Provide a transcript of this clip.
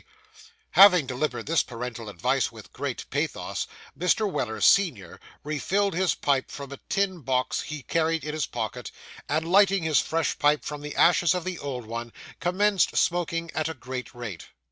Having delivered this parental advice with great pathos, Mr. Weller, senior, refilled his pipe from a tin box he carried in his pocket; and, lighting his fresh pipe from the ashes of the old One, commenced smoking at a great rate.